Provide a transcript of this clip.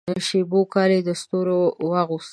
شېبو کالي د ستورو واغوستله